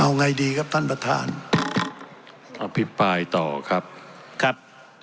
เอาไงดีครับท่านประธานอภิปรายต่อครับครับ